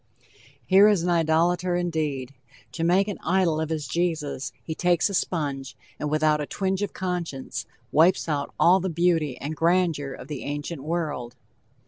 Here is an idolator, indeed. To make an idol of his Jesus he takes a sponge, and without a twinge of conscience, wipes out all the beauty and grandeur of the ancient world.